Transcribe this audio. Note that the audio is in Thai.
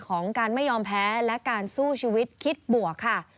ของการไม่ยอมแพ้และการสู้ชีวิตคิดบวกค่ะ